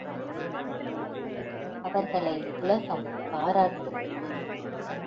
அவர்களை உலகம் பாராட்டும்.